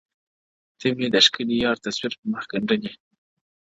ته مي د ښكلي يار تصوير پر مخ گنډلی،